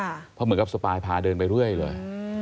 เพราะเหมือนกับสปายพาเดินไปเรื่อยเลย